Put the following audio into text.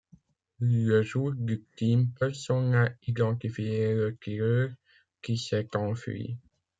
Le jour du crime, personne n'a identifié le tireur, qui s'est enfui.